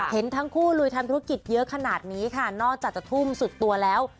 เห็นทั้งคู่ลุยทำธุรกิจเยอะขนาดนี้ค่ะนอกจากจะทุ่มสุดตัวแล้ว